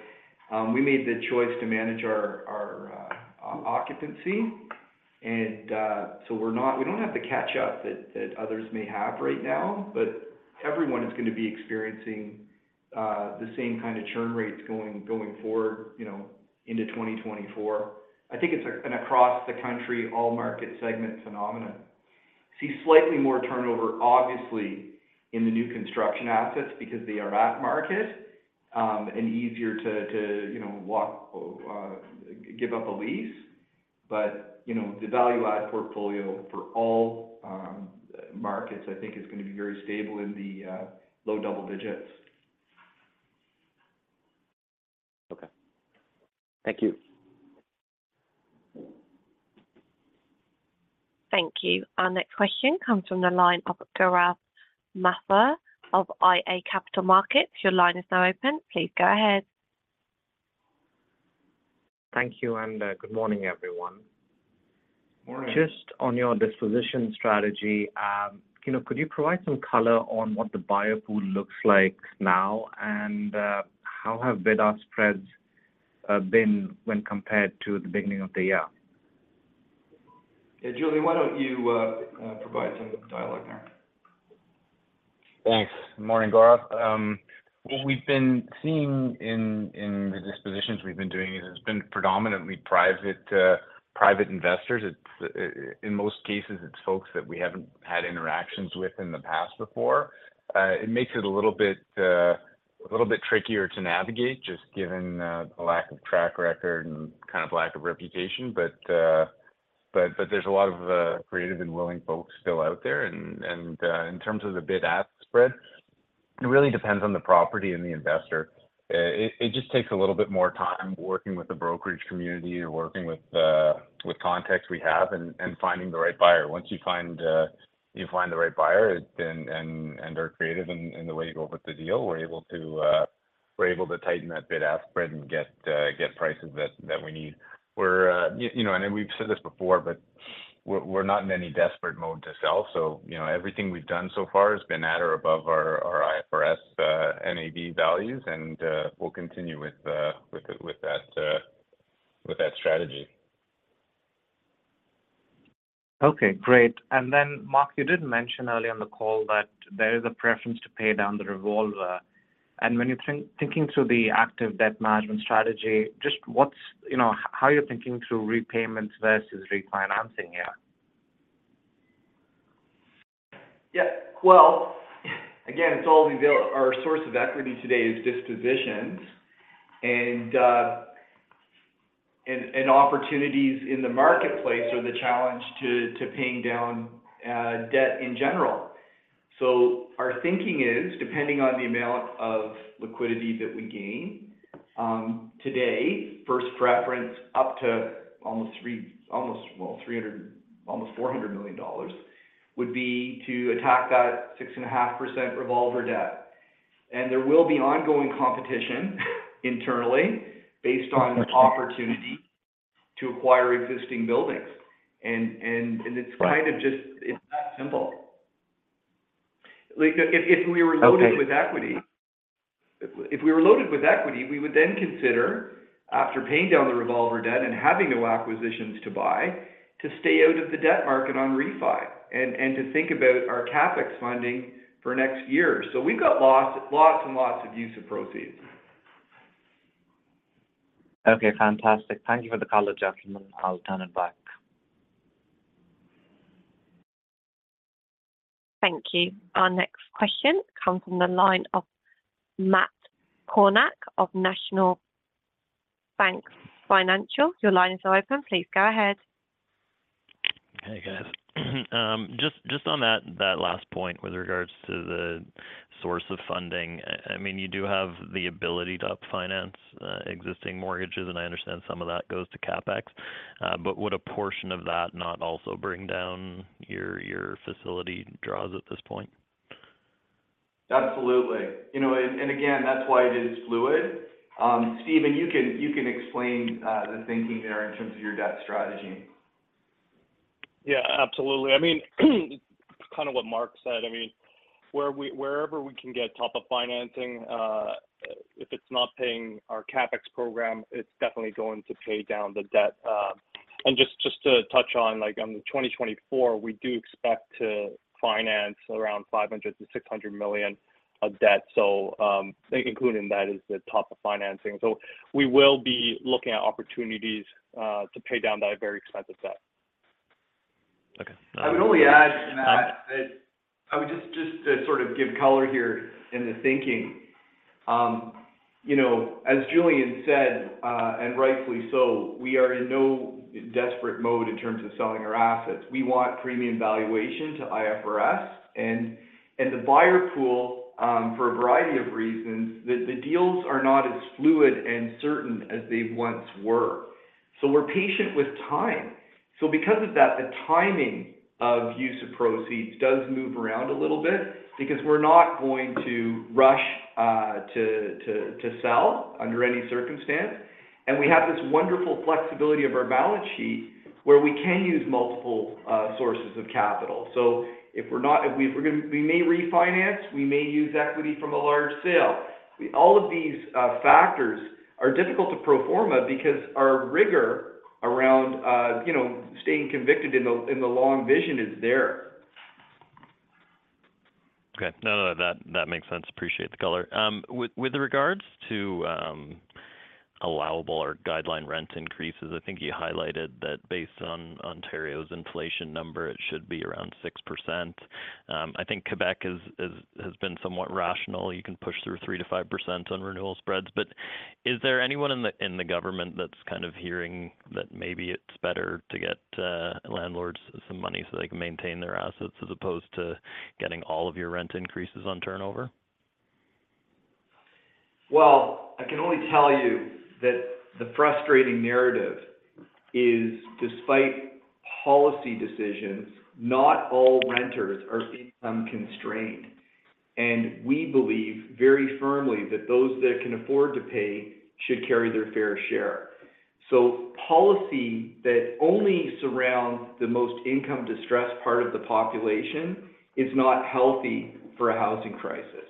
we made the choice to manage our, our occupancy. So we're not-- we don't have the catch-up that, that others may have right now, but everyone is going to be experiencing the same kind of churn rates going, going forward, you know, into 2024. I think it's a-- an across-the-country, all-market-segment phenomenon. See slightly more turnover, obviously, in the new construction assets because they are at market, and easier to, to, you know, walk, give up a lease. You know, the value add portfolio for all markets, I think, is going to be very stable in the low double digits. Okay. Thank you. Thank you. Our next question comes from the line of Gaurav Mathur of iA Capital Markets. Your line is now open. Please go ahead. Thank you, good morning, everyone. Morning. Just on your disposition strategy, you know, could you provide some color on what the buyer pool looks like now? How have bidder spreads- been when compared to the beginning of the year? Julian, why don't you provide some dialogue there? Thanks. Morning, Gaurav. What we've been seeing in, in the dispositions we've been doing is it's been predominantly private, private investors. It's in most cases, it's folks that we haven't had interactions with in the past before. It makes it a little bit, a little bit trickier to navigate, just given the lack of track record and kind of lack of reputation. But, there's a lot of creative and willing folks still out there. And, in terms of the bid-ask spread, it really depends on the property and the investor. It, it just takes a little bit more time working with the brokerage community or working with, with contacts we have and, and finding the right buyer. Once you find, you find the right buyer, it and are creative in the way you go about the deal, we're able to tighten that bid-ask spread and get prices that we need. We're, you know, and we've said this before, but we're not in any desperate mode to sell. You know, everything we've done so far has been at or above our IFRS, NAV values, and we'll continue with that strategy. Okay, great. Mark, you did mention earlier on the call that there is a preference to pay down the revolver. When thinking through the active debt management strategy, just what's, you know, how are you thinking through repayments versus refinancing here? Yeah. Well, again, it's all available. Our source of equity today is dispositions, and, and, and opportunities in the marketplace are the challenge to, to paying down, debt in general. Our thinking is, depending on the amount of liquidity that we gain, today, first preference up to almost three, almost, well, 300 million, almost 400 million dollars, would be to attack that 6.5% revolver debt. There will be ongoing competition internally based on- Right... opportunity to acquire existing buildings. It's kind of. Right. It's that simple. Like, if, if we were loaded with equity- Okay. If, if we were loaded with equity, we would then consider, after paying down the revolver debt and having no acquisitions to buy, to stay out of the debt market on refi, and, and to think about our CapEx funding for next year. We've got lots, lots and lots of use of proceeds. Okay, fantastic. Thank you for the call, gentlemen. I'll turn it back. Thank you. Our next question comes from the line of Matt Kornack of National Bank Financial. Your line is now open. Please go ahead. Hey, guys. just on that, that last point with regards to the source of funding, I mean, you do have the ability to up finance existing mortgages, and I understand some of that goes to CapEx. Would a portion of that not also bring down your, your facility draws at this point? Absolutely. You know, again, that's why it is fluid. Stephen, you can, you can explain the thinking there in terms of your debt strategy. Yeah, absolutely. I mean, kind of what Mark said. I mean, wherever we can get top-up financing, if it's not paying our CapEx program, it's definitely going to pay down the debt. Just, just to touch on, like on the 2024, we do expect to finance around 500 million-600 million of debt. Including that is the top-up financing. We will be looking at opportunities to pay down that very expensive debt. I would only add, Matt, that I would just, just to sort of give color here in the thinking. You know, as Julian said, and rightfully so, we are in no desperate mode in terms of selling our assets. We want premium valuation to IFRS and, and the buyer pool, for a variety of reasons, the, the deals are not as fluid and certain as they once were. We're patient with time. Because of that, the timing of use of proceeds does move around a little bit because we're not going to rush to, to, to sell under any circumstance. We have this wonderful flexibility of our balance sheet, where we can use multiple sources of capital. If we're not-- if we, we're gonna-- we may refinance, we may use equity from a large sale. We. All of these factors are difficult to pro forma because our rigor around, you know, staying convicted in the, in the long vision is there. Okay. No, no, that, that makes sense. Appreciate the color. With regards to allowable or guideline rent increases, I think you highlighted that based on Ontario's inflation number, it should be around 6%. I think Quebec is, has been somewhat rational. You can push through 3%-5% on renewal spreads. Is there anyone in the government that's kind of hearing that maybe it's better to get landlords some money so they can maintain their assets, as opposed to getting all of your rent increases on turnover? Well, I can only tell you that the frustrating narrative is, despite policy decisions, not all renters are being income constrained. We believe very firmly that those that can afford to pay should carry their fair share. Policy that only surrounds the most income-distressed part of the population is not healthy for a housing crisis.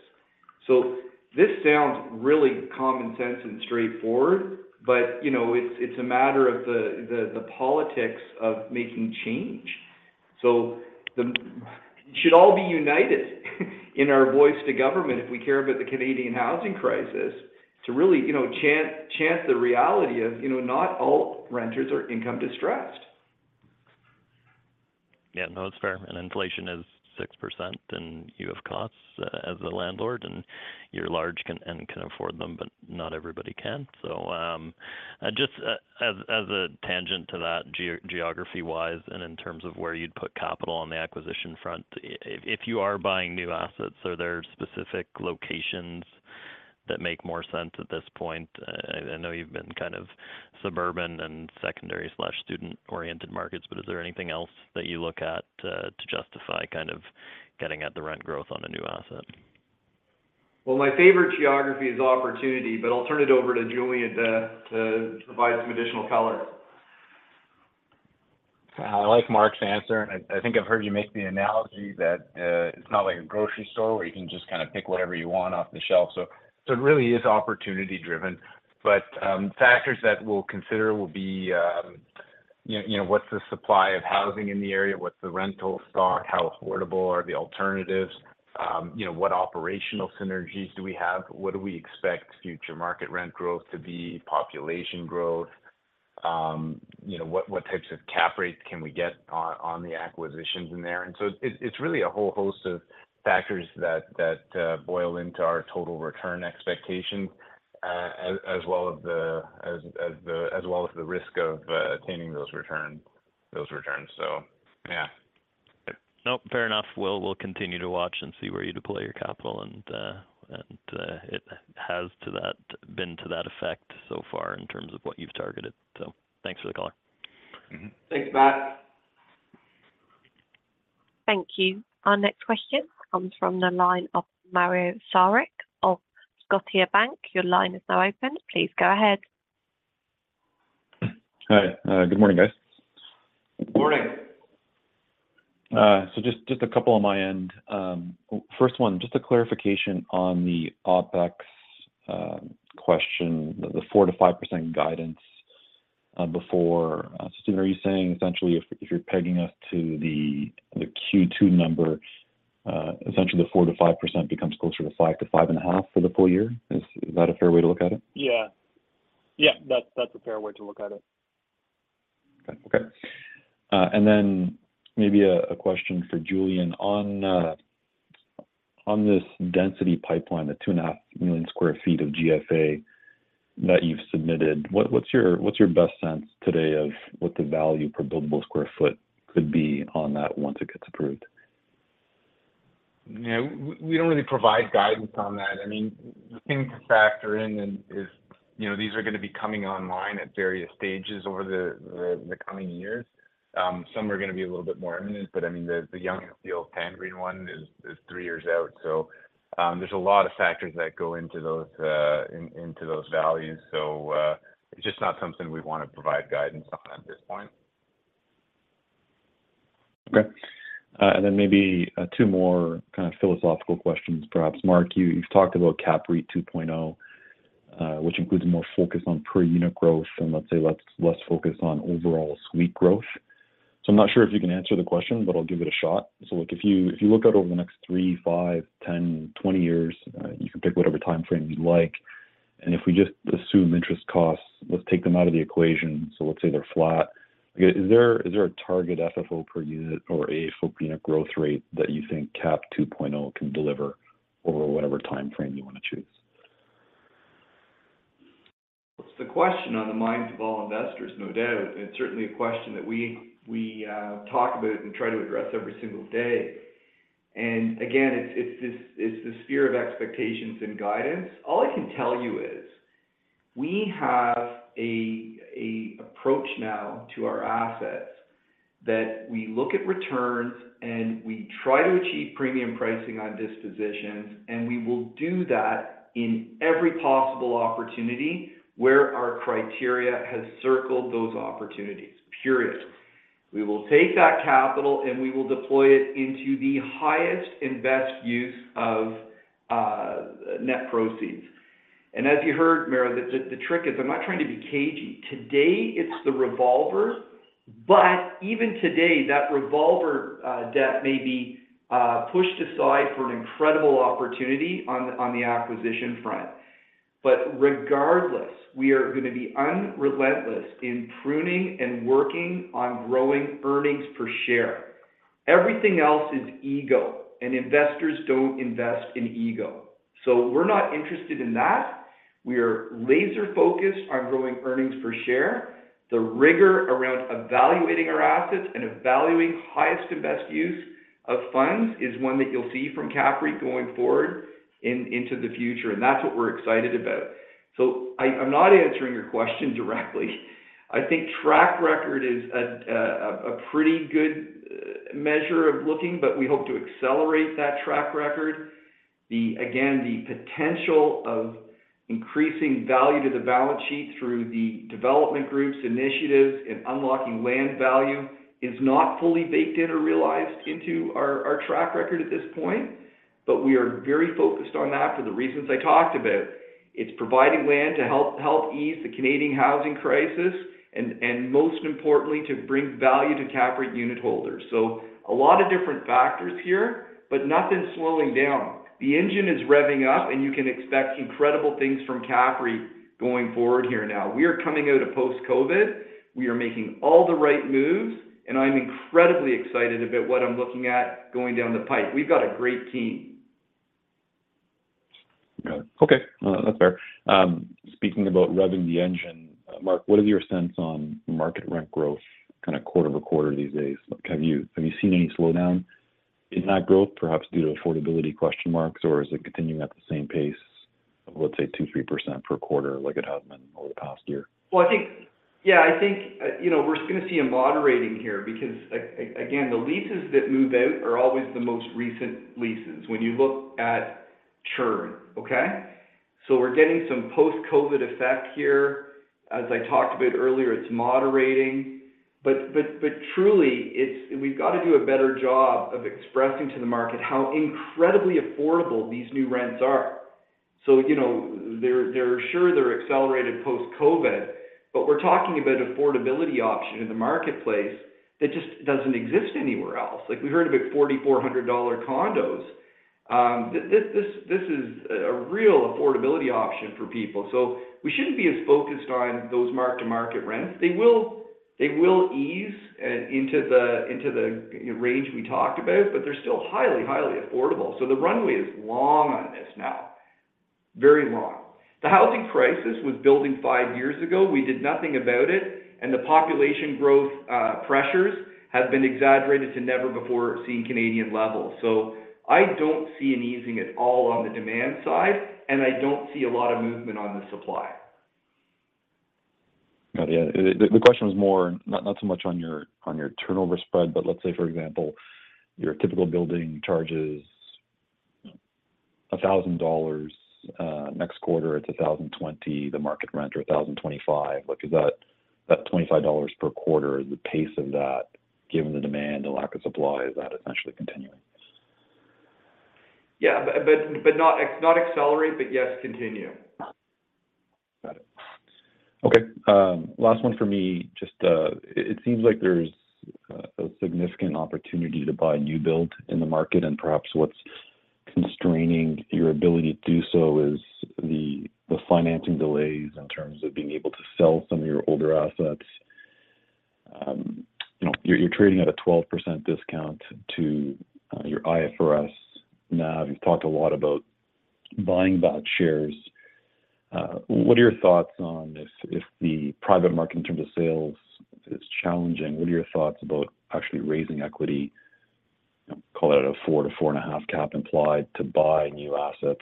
This sounds really common sense and straightforward, but, you know, it's, it's a matter of the, the, the politics of making change. We should all be united in our voice to government if we care about the Canadian housing crisis, to really, you know, chance the reality of, you know, not all renters are income distressed. Yeah, no, that's fair. Inflation is 6%, and you have costs as a landlord, and you're large can and can afford them, but not everybody can. Just as a tangent to that, geography-wise, and in terms of where you'd put capital on the acquisition front, if you are buying new assets, are there specific locations that make more sense at this point? I know you've been kind of suburban and secondary/student-oriented markets, but is there anything else that you look at to justify kind of getting at the rent growth on a new asset? Well, my favorite geography is opportunity, but I'll turn it over to Julian to, to provide some additional color. I like Mark's answer, and I, I think I've heard you make the analogy that, it's not like a grocery store, where you can just kind of pick whatever you want off the shelf. It really is opportunity driven. Factors that we'll consider will be, you know, what's the supply of housing in the area? What's the rental stock? How affordable are the alternatives? You know, what operational synergies do we have? What do we expect future market rent growth to be? Population growth? You know, what, what types of cap rates can we get on, on the acquisitions in there? It's, it's really a whole host of factors that boil into our total return expectations, as well as the risk of attaining those returns. Yeah. Nope, fair enough. We'll, we'll continue to watch and see where you deploy your capital, and, and, been to that effect so far in terms of what you've targeted. Thanks for the color. Mm-hmm. Thanks, Matt. Thank you. Our next question comes from the line of Mario Saric of Scotiabank. Your line is now open. Please go ahead. Hi. Good morning, guys. Good morning. Just a couple on my end. First one, just a clarification on the OpEx question, the 4%-5% guidance before. Stephen, are you saying essentially if you're pegging us to the Q2 number, essentially the 4%-5% becomes closer to 5%-5.5% for the full year? Is that a fair way to look at it? Yeah. Yeah, that's, that's a fair way to look at it. Okay. Okay. Then maybe a, a question for Julian. On, on this density pipeline, the 2.5 million sq ft of GFA that you've submitted, what, what's your, what's your best sense today of what the value per buildable square foot could be on that once it gets approved? Yeah. We don't really provide guidance on that. I mean, the thing to factor in and is, you know, these are gonna be coming online at various stages over the coming years. Some are gonna be a little bit more imminent, but I mean, the Peel Pan-Greensone is 3 years out. There's a lot of factors that go into those into those values. It's just not something we'd want to provide guidance on at this point. Okay. Then maybe two more kind of philosophical questions, perhaps. Mark, you, you've talked about CAPREIT 2.0, which includes more focus on per unit growth and let's say, less, less focus on overall suite growth. I'm not sure if you can answer the question, I'll give it a shot. Look, if you, if you look out over the next three, five, 10, 20 years, you can pick whatever timeframe you'd like, if we just assume interest costs, let's take them out of the equation, let's say they're flat. Again, is there, is there a target FFO per unit or a unit growth rate that you think CAPREIT 2.0 can deliver over whatever timeframe you want to choose? It's the question on the minds of all investors, no doubt. It's certainly a question that we, we, talk about and try to address every single day. Again, it's, it's this, it's the sphere of expectations and guidance. All I can tell you is, we have a, a approach now to our assets, that we look at returns, and we try to achieve premium pricing on dispositions, and we will do that in every possible opportunity where our criteria has circled those opportunities, period. We will take that capital, and we will deploy it into the highest and best use of net proceeds. As you heard, Mario, the, the, the trick is, I'm not trying to be cagey. Today, it's the revolver, but even today, that revolver debt may be pushed aside for an incredible opportunity on, on the acquisition front. Regardless, we are gonna be unrelentless in pruning and working on growing earnings per share. Everything else is ego, and investors don't invest in ego. We're not interested in that. We are laser focused on growing earnings per share. The rigor around evaluating our assets and evaluating highest and best use of funds is one that you'll see from CAPREIT going forward into the future, and that's what we're excited about. I, I'm not answering your question directly. I think track record is a, a pretty good measure of looking, but we hope to accelerate that track record. Again, the potential of increasing value to the balance sheet through the development groups initiatives and unlocking land value is not fully baked in or realized into our, our track record at this point. We are very focused on that for the reasons I talked about. It's providing land to help, help ease the Canadian housing crisis and, and most importantly, to bring value to CAPREIT unit holders. A lot of different factors here, but nothing's slowing down. The engine is revving up, and you can expect incredible things from CAPREIT going forward here now. We are coming out of post-COVID. We are making all the right moves, and I'm incredibly excited about what I'm looking at going down the pipe. We've got a great team. Got it. Okay, that's fair. Speaking about revving the engine, Mark, what is your sense on market rent growth, kind of quarter-over-quarter these days? Have you, have you seen any slowdown in that growth, perhaps due to affordability question marks, or is it continuing at the same pace of, let's say, 2%, 3% per quarter, like it has been over the past year? Well, I think, yeah, I think, you know, we're just going to see a moderating here because again, the leases that move out are always the most recent leases when you look at churn, okay? We're getting some post-COVID effect here. As I talked about earlier, it's moderating, but truly, we've got to do a better job of expressing to the market how incredibly affordable these new rents are. You know, they're, they're sure they're accelerated post-COVID, but we're talking about affordability option in the marketplace that just doesn't exist anywhere else. Like, we heard about $4,400 condos. This is a real affordability option for people. We shouldn't be as focused on those mark-to-market rents. They will, they will ease into the range we talked about, but they're still highly, highly affordable. The runway is long on this now. Very long. The housing crisis was building five years ago. We did nothing about it, and the population growth, pressures have been exaggerated to never before seen Canadian levels. I don't see an easing at all on the demand side, and I don't see a lot of movement on the supply. Got it. Yeah. The question was more, not so much on your, on your turnover spread, but let's say, for example, your typical building charges, $1,000, next quarter, it's $1,020, the market rent or $1,025. Like, is that, $25 per quarter, the pace of that, given the demand and lack of supply, is that essentially continuing? Yeah. But not, not accelerate, but yes, continue. Got it. Okay, last one for me. Just, it, it seems like there's a significant opportunity to buy new build in the market, and perhaps what's constraining your ability to do so is the financing delays in terms of being able to sell some of your older assets. You know, you're trading at a 12% discount to your IFRS. Now, you've talked a lot about buying back shares. What are your thoughts on if, if the private market in terms of sales is challenging, what are your thoughts about actually raising equity? Call it a 4-4.5 cap implied to buy new assets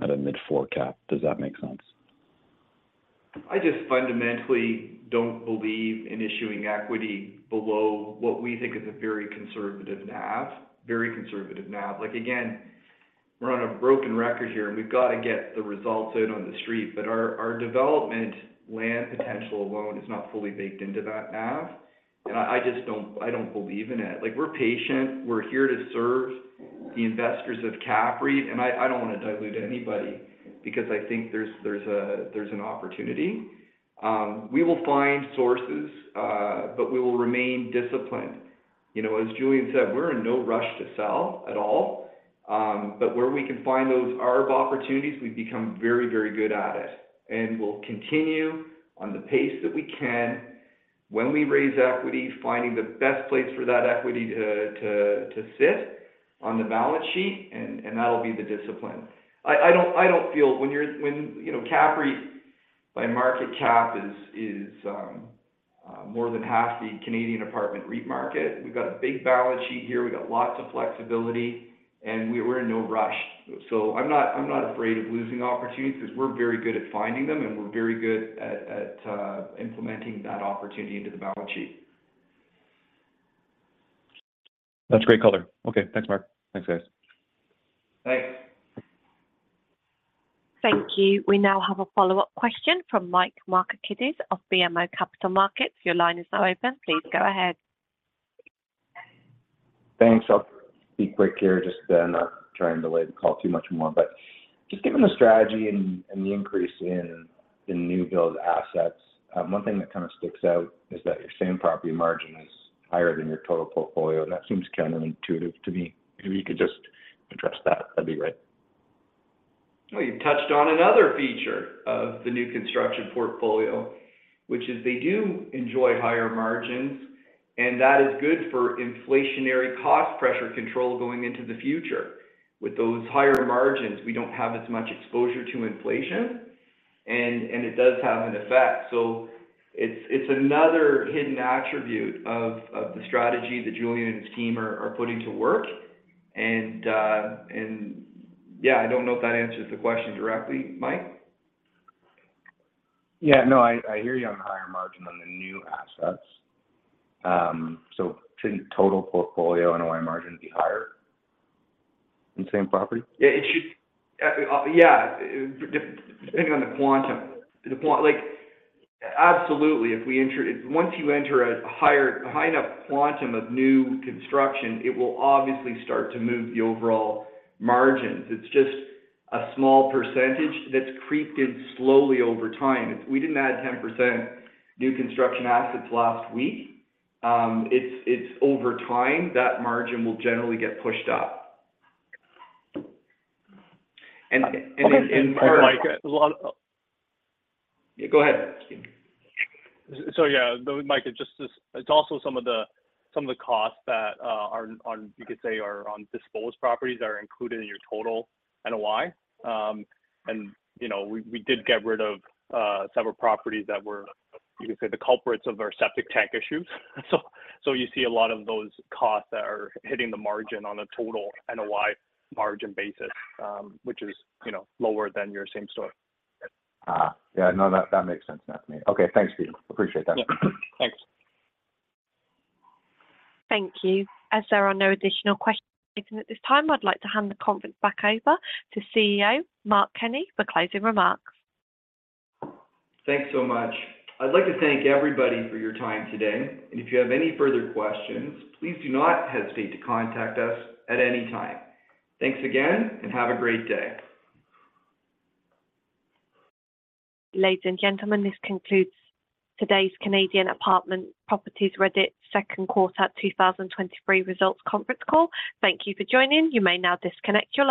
at a mid 4 cap. Does that make sense? I just fundamentally don't believe in issuing equity below what we think is a very conservative NAV, very conservative NAV. Like, again, we're on a broken record here, and we've got to get the results out on the street, but our, our development land potential alone is not fully baked into that NAV, and I, I just don't, I don't believe in it. Like, we're patient. We're here to serve the investors of CAPREIT, and I, I don't want to dilute anybody because I think there's, there's a, there's an opportunity. We will find sources, but we will remain disciplined. You know, as Julian said, we're in no rush to sell at all, but where we can find those arb opportunities, we've become very, very good at it, and we'll continue on the pace that we can. When we raise equity, finding the best place for that equity to, to, to sit on the balance sheet, and, and that'll be the discipline. I don't, I don't feel when, you know, CAPREIT, by market cap, is more than half the Canadian apartment REIT market. We've got a big balance sheet here. We got lots of flexibility, and we're in no rush. I'm not, I'm not afraid of losing opportunities because we're very good at finding them, and we're very good at, at implementing that opportunity into the balance sheet. That's great color. Okay, thanks, Mark. Thanks, guys. Thanks. Thank you. We now have a follow-up question from Mike Markidis of BMO Capital Markets. Your line is now open. Please go ahead. Thanks. I'll be quick here, just not trying to delay the call too much more. Just given the strategy and, and the increase in, in new build assets, one thing that kind of sticks out is that your same property margin is higher than your total portfolio, and that seems counterintuitive to me. If you could just address that, that'd be great. You've touched on another feature of the new construction portfolio, which is they do enjoy higher margins, and that is good for inflationary cost pressure control going into the future. With those higher margins, we don't have as much exposure to inflation. It does have an effect. It's, it's another hidden attribute of, of the strategy that Julian and his team are, are putting to work. And yeah, I don't know if that answers the question directly, Mike? Yeah, no, I, I hear you on the higher margin on the new assets. Shouldn't total portfolio NOI margin be higher in the same property? Yeah, it should, yeah. Depending on the quantum. Like, absolutely, Once you enter a higher, high enough quantum of new construction, it will obviously start to move the overall margins. It's just a small percentage that's creeped in slowly over time. If we didn't add 10% new construction assets last week, over time, that margin will generally get pushed up. Mike, Yeah, go ahead. Yeah, Mike, it's just this, it's also some of the, some of the costs that are on, you could say, are on disposed properties are included in your total NOI. You know, we, we did get rid of several properties that were, you could say, the culprits of our septic tank issues. You see a lot of those costs that are hitting the margin on a total NOI margin basis, which is, you know, lower than your same story. Yeah, no, that, that makes sense to me. Okay, thanks, Stephen. Appreciate that. Yep. Thanks. Thank you. As there are no additional questions at this time, I'd like to hand the conference back over to CEO, Mark Kenney, for closing remarks. Thanks so much. I'd like to thank everybody for your time today. If you have any further questions, please do not hesitate to contact us at any time. Thanks again. Have a great day. Ladies and gentlemen, this concludes today's Canadian Apartment Properties REIT's second quarter, 2023 results conference call. Thank you for joining. You may now disconnect your line.